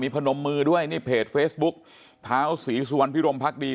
มีพนมมือด้วยนี่เพจเฟซบุ๊กท้าวสีสวรพิรมพรรคดี